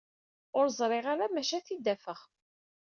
Ur ẓriɣ ara maca ad t-id-afeɣ.